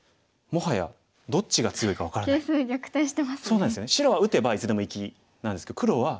白は打てばいつでも生きなんですけど黒は生きてないですよね。